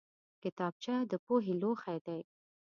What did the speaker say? کتابچه د پوهې لوښی دی